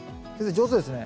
上手ですね。